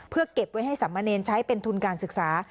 เพื่อเก็บไว้ให้สามเณรใช้เป็นทุนการศึกษา